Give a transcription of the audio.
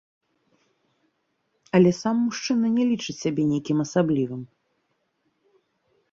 Але сам мужчына не лічыць сябе нейкім асаблівым.